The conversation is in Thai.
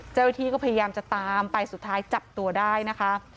เจ้าหน้าที่ก็พยายามจะตามไปสุดท้ายจับตัวได้นะคะ